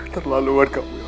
terlalu banyak kamu yosha